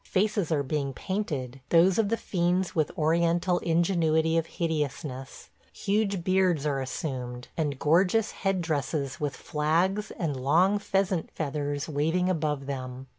Faces are being painted – those of the fiends with Oriental ingenuity of hideousness – huge beards are assumed, and gorgeous head dresses with flags and long pheasant feathers waving above them.